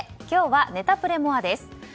今日はネタプレＭＯＲＥです。